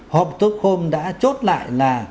học tức hôm đã chốt lại là